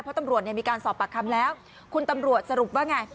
เพราะตำรวจมีการสอบปากคำแล้วคุณตำรวจสรุปว่าไง